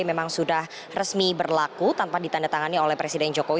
memang sudah resmi berlaku tanpa ditandatangani oleh presiden jokowi